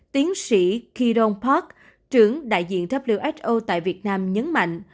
tiến sĩ kyron park trưởng đại diện who tại việt nam nhấn mạnh